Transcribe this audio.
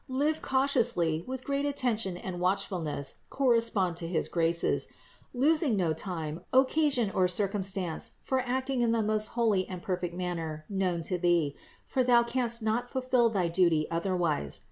Live cautiously, with great attention and watchfulness correspond to his graces, los ing no time, occasion or circumstance for acting in the most holy and perfect manner known to thee; for thou canst not fulfill thy duty otherwise.